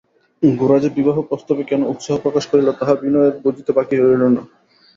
গোরা যে বিবাহ-প্রস্তাবে কেন উৎসাহ প্রকাশ করিল তাহা বিনয়ের বুঝিতে বাকি রহিল না।